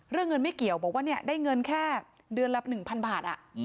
เรื่องเงินไม่เกี่ยวบอกว่าได้เงินแค่เดือนละ๑๐๐บาท